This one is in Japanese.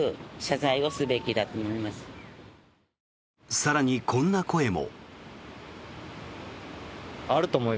更に、こんな声も。